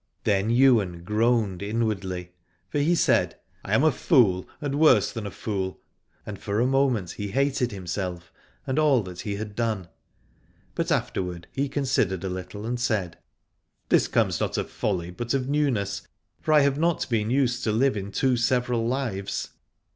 Then Ywain groaned inwardly, for he said, I am a fool and worse than a fool, and for a moment he hated himself and all that he had done. But afterward he considered a little and said. This comes not of folly but of new ness, for I have not been used to live in two several lives.